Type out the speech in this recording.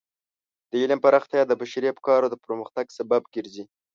د علم پراختیا د بشري افکارو د پرمختګ سبب ګرځي.